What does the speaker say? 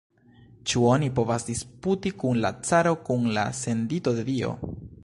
Ĉu oni povas disputi kun la caro, kun la sendito de Dio?